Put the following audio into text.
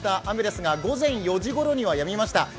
雨ですが、午前４時ごろにはやみました